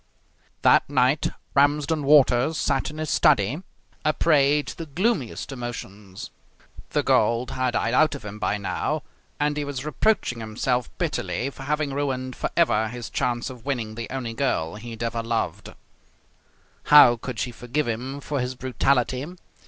That night Ramsden Walters sat in his study, a prey to the gloomiest emotions. The gold had died out of him by now, and he was reproaching himself bitterly for having ruined for ever his chance of winning the only girl he had ever loved. How could she forgive him for his brutality?